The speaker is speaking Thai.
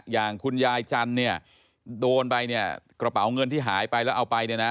อย่างคุณยายจันทร์เนี่ยโดนไปเนี่ยกระเป๋าเงินที่หายไปแล้วเอาไปเนี่ยนะ